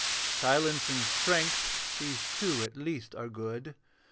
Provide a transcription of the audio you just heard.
Silence and strength, these two at least are good.